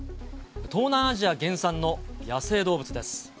東南アジア原産の野生動物です。